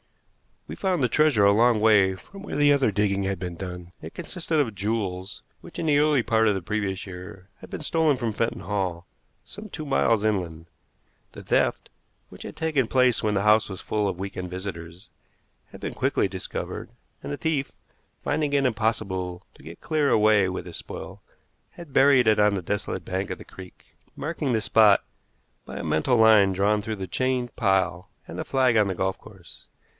We found the treasure a long way from where the other digging had been done. It consisted of jewels which, in the early part of the previous year, had been stolen from Fenton Hall, some two miles inland. The theft, which had taken place when the house was full of week end visitors, had been quickly discovered, and the thief, finding it impossible to get clear away with his spoil, had buried it on the desolate bank of the creek, marking the spot by a mental line drawn through the chained pile and the flag on the golf course.